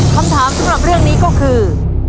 คำถามสำหรับเรื่องนี้ก็คือ